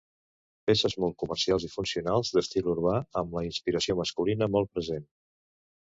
Peces molt comercials i funcionals, d'estil urbà, amb la inspiració masculina molt present.